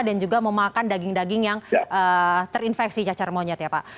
dan juga memakan daging daging yang terinfeksi cacar monyet ya pak